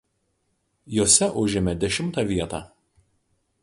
Jose užėmė dešimtą vietą.